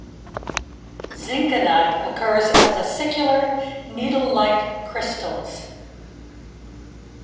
Zinkenite occurs as acicular needle-like crystals.